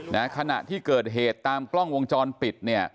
ในขณะที่เกิดแผดผลตามกล้องวงจรปิด